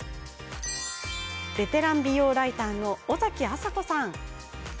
ベテラン美容ライターの尾崎亜佐子さん。